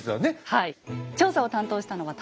はい。